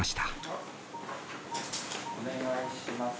お願いします。